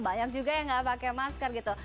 banyak juga yang nggak pakai masker gitu